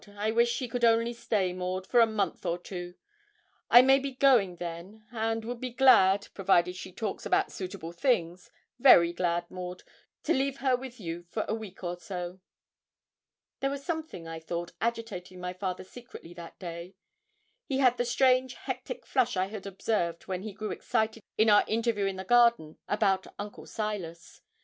I wish she could only stay, Maud, for a month or two; I may be going then, and would be glad provided she talks about suitable things very glad, Maud, to leave her with you for a week or so.' There was something, I thought, agitating my father secretly that day. He had the strange hectic flush I had observed when he grew excited in our interview in the garden about Uncle Silas.